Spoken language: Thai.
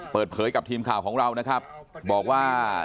เปิดเผยกับทีมข่าวของเรานะครับบอกว่า